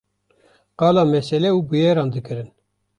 Qala mesela û bûyeran dikirin